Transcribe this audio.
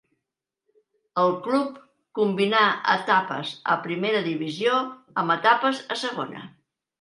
El club combinà etapes a Primera divisió amb etapes a Segona.